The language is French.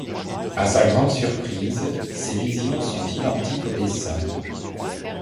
À sa grande surprise, ses visions sont identiques aux dessins.